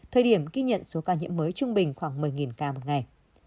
thời điểm ghi nhận số ca nhiễm mới trung bình khoảng một mươi ca một ngày